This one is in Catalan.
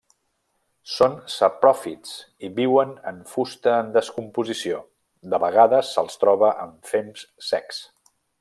Són sapròfits i viuen en fusta en descomposició; de vegades se'ls troba en fems secs.